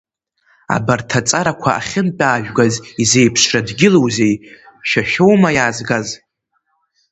Абарҭ аҵарақәа ахьынтәаажәгаз изеиԥшра дгьылузеи, шәа шәоума иаазгаз?